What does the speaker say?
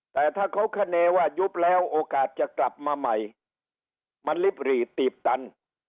แต่ถ้าเขาคาเนว่ายุบแล้วโอกาสจะกลับมาใหม่มันลิบหรี่ตีบตัน